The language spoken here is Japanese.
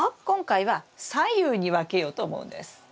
今回は左右に分けようと思うんです。